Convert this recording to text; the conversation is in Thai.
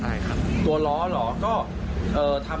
ไม่มีรอยไฟไหม้